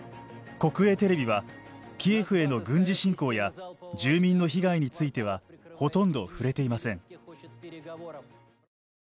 国営テレビはキエフへの軍事侵攻や住民の被害についてはほとんど触れていません。